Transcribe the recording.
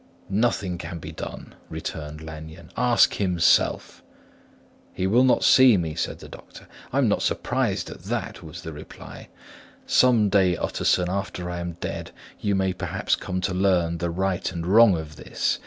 "Nothing can be done," returned Lanyon; "ask himself." "He will not see me," said the lawyer. "I am not surprised at that," was the reply. "Some day, Utterson, after I am dead, you may perhaps come to learn the right and wrong of this.